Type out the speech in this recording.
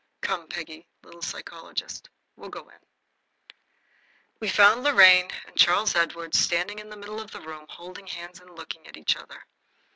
Come, Peggy, little psychologist, we'll go in." We found Lorraine and Charles Edward standing in the middle of the room, holding hands and looking at each other.